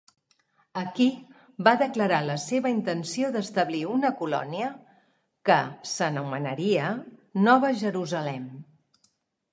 Aquí va declarar la seva intenció d'establir una colònia que s'anomenaria Nova Jerusalem.